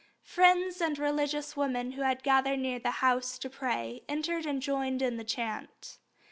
Friends and religious women who had gathered near the house to pray entered and joined in the chant.